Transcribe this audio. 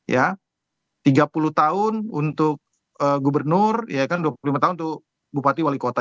ya tiga puluh tahun untuk gubernur ya kan dua puluh lima tahun untuk bupati wali kota